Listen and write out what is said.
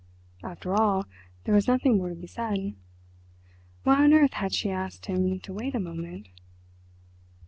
After all, there was nothing more to be said. Why on earth had she asked him to wait a moment?